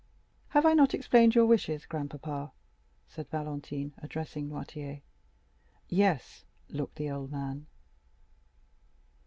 "Have I not explained your wishes, grandpapa?" said Valentine, addressing Noirtier. "Yes," looked the old man.